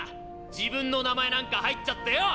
自分の名前なんか入っちゃってよぉ！